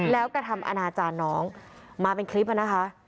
แล้วกระทำอนาจารย์น้องมาเป็นคลิปอะนะคะ